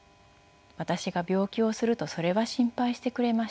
私が病気をするとそれは心配してくれました。